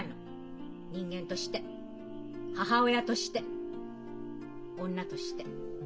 人間として母親として女として。